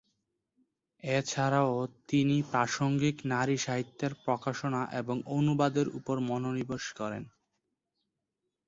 এছাড়াও তিনি প্রাসঙ্গিক নারী সাহিত্যের প্রকাশনা এবং অনুবাদের উপর মনোনিবেশ করেন।